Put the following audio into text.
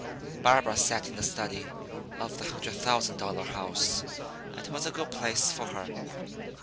Barbara sat in the study of the hundred thousand dollar house. It was a good place for her.